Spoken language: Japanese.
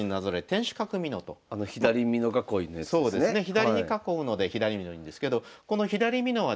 左に囲うので左美濃いうんですけどこの左美濃はですね